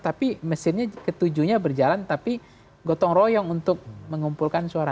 tapi mesinnya ketujuhnya berjalan tapi gotong royong untuk mengumpulkan suara